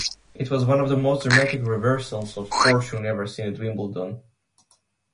It was one of the most dramatic reversals of fortune ever seen at Wimbledon.